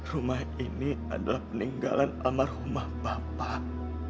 rumah ini adalah peninggalan amal rumah bapak